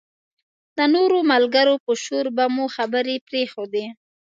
د نورو ملګرو په شور به مو خبرې پرېښودې.